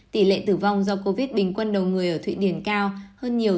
tỷ lệ tử vong do covid bình quân đầu người ở thụy điển cao hơn nhiều